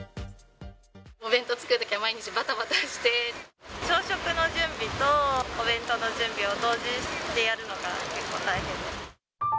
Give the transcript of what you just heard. お弁当作るときは、毎日ばた朝食の準備と、お弁当の準備を同時にやるのが結構大変です。